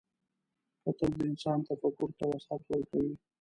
کتل د انسان تفکر ته وسعت ورکوي